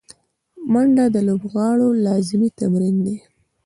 منډه د لوبغاړو لازمي تمرین دی